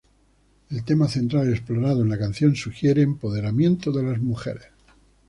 El tema central explorado en la canción sugiere empoderamiento de las mujeres.